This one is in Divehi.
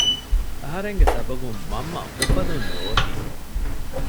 އަހަރެންގެ ސަބަބުން މަންމަ އުފަލުން ރޯތީ